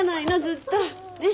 ねっ。